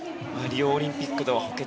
リオオリンピックの補欠